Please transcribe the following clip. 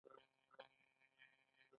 د ناهمغږۍ په پایله کې بدلون راځي.